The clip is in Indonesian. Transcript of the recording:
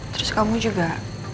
terus kamu juga